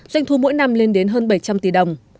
doanh thu mỗi năm lên đến hơn bảy trăm linh tỷ đồng